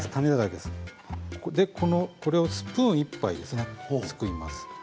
これをスプーン１杯すくいます。